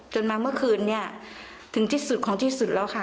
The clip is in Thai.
จนมาเมื่อคืนนี้ถึงที่สุดของที่สุดแล้วค่ะ